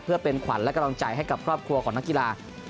เพื่อเป็นขวัญและกำลังใจให้กับครอบครัวของนักกีฬา